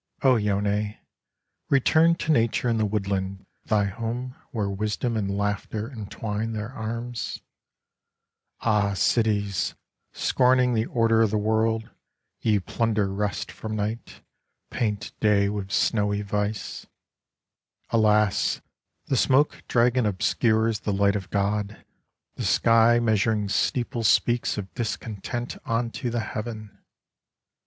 O Yone, return to Nature in the woodland, — thy home, where Wisdom and Laughter entwine their arms ! Ah Cities, scorning the order of the world, ye plunder rest from night, paint day with snowy vice, — Alas, the smoke dragon obscures the light of God ; the sky / Hail Myself as I do Homer 15 measuring steeple speaks of discontent unto the Heaven